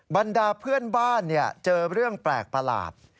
บรรดาเพื่อนบ้านเจอเรื่องแปลกประหลาด